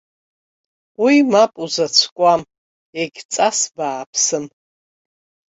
Уи мап узацәкуам, егьҵас бааԥсым.